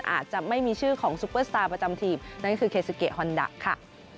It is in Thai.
อาจจะไม่มีชื่อของซุปเปอร์สตาร์ประจำทีมนั่นคือเคซุเกฮอนดะค่ะ